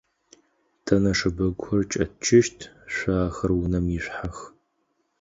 Тэ нэшэбэгухэр кӏэтчыщт, шъо ахэр унэм ишъухьэх.